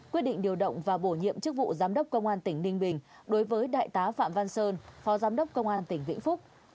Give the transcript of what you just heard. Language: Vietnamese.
quyết định điều động và bổ nhiệm chức vụ giám đốc công an tỉnh ninh bình đối với đại tá phạm văn sơn phó giám đốc công an tỉnh vĩnh phúc